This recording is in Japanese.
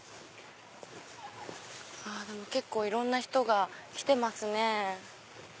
結構いろんな人が来てますね。